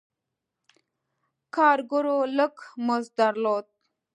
کارګرو لږ مزد درلود.